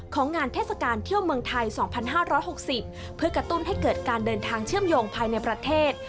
ของงานเทศกาลเที่ยวเมืองไทยสองพันห้าร้อยหกสิบเพื่อกระตุ้นให้เกิดการเดินทางเชื่อมโยงภายในประเทศ